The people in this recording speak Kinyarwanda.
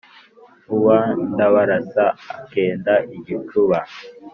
uwa ndábarása akenda igicúba